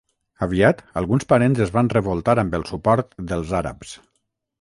Aviat alguns parents es van revoltar amb el suport dels àrabs.